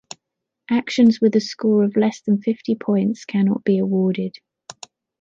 Actions with a score of less than fifty points cannot be awarded.